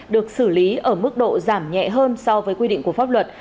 được xử lý ở mức độ giảm nhẹ hơn so với quy định của pháp luật